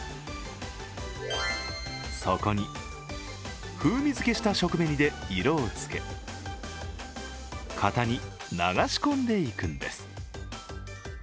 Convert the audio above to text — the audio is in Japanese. そこに風味付けした食紅で色をつけ型に流し込んでいくんです。